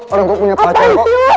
orang kok punya pacar kok